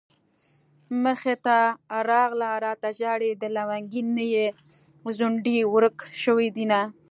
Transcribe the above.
مخې ته راغله راته ژاړي د لونګين نه يې ځونډي ورک شوي دينه